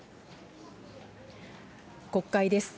国会です。